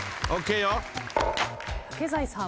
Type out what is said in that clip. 竹財さん。